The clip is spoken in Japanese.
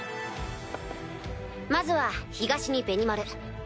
まずは東にベニマル。